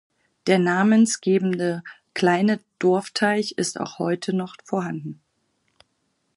Der namensgebende, kleine Dorfteich ist auch heute noch vorhanden.